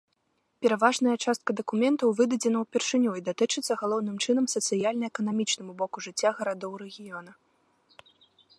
Пераважная частка дакументаў выдадзена ўпершыню і датычыцца галоўным чынам сацыяльна-эканамічнаму боку жыцця гарадоў рэгіёна.